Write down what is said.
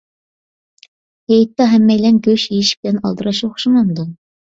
ھېيتتا ھەممەيلەن گۆش يېيىش بىلەن ئالدىراش ئوخشىمامدۇ؟